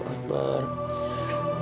ini bayinya perempuan